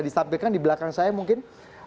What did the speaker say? ditampilkan di belakang saya mungkin